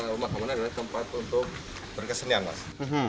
rumah bangunan adalah tempat untuk berkesenian mas